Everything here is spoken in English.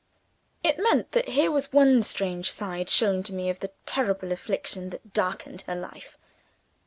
It meant that here was one strange side shown to me of the terrible affliction that darkened her life.